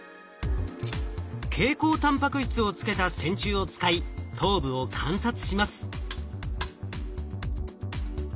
蛍光タンパク質を付けた線虫を使い頭部を観察します。